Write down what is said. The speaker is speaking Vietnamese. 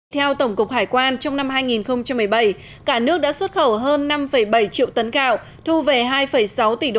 theo tổng cục hải quan trong năm hai nghìn một mươi bảy cả nước đã xuất khẩu hơn năm bảy triệu tấn gạo thu về hai sáu tỷ usd